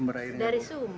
sumber bawah tanah itu